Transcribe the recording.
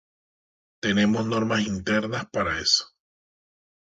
Tenemos normas internas para eso.